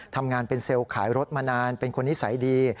ทำงานเป็นเซลล์ขายรถมานานเป็นคนนิสัยดี